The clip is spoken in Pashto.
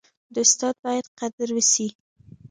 د استاد باید قدر وسي.